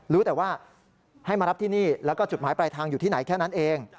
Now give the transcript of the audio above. รู้แต่ว่าให้มารับที่นี่แล้วก็จุดหมายปลายทางอยู่ที่ไหนแค่นั้นเอง